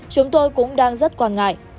chúng tôi cũng đang rất quan ngại